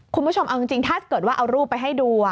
คุณผู้ชมเอาจริงถ้าเกิดว่าเอารูปไปให้ดู